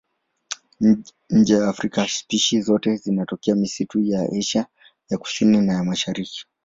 Nje ya Afrika spishi zote zinatokea misitu ya Asia ya Kusini na ya Mashariki.